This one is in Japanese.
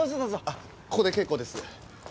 あっここで結構です。